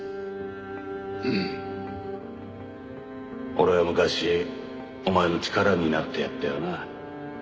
俺は昔お前の力になってやったよな？